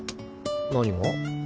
何が？